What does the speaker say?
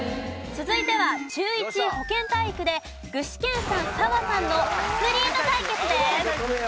続いては中１保健体育で具志堅さん澤さんのアスリート対決です。